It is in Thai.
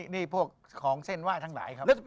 นี่พวกของเส้นไหว้ทั้งหลายครับ